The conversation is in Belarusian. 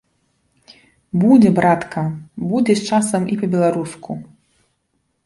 Будзе, братка, будзе з часам і па-беларуску!